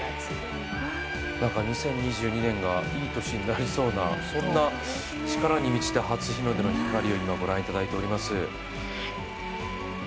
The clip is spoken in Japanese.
２０２２年がいい年になりそうな力に満ちた初日の出の映像を御覧いただいております。